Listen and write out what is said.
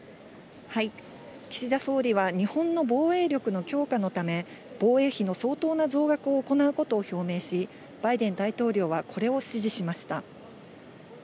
岸田総理は日本の防衛力の強化のため、防衛費の相当な増額を行うことを表明し、バイデン大統領はこれを支持しました。